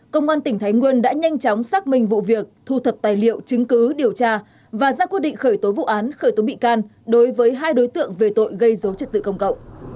công an tỉnh thái nguyên đã nhanh chóng xác minh vụ việc thu thập tài liệu chứng cứ điều tra và ra quyết định khởi tố vụ án khởi tố bị can đối với hai đối tượng về tội gây dối trật tự công cộng